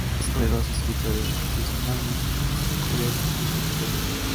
Es hijo de dos escritores, tiene dos hermanos: Joseph Cullen y Ruth Cullen.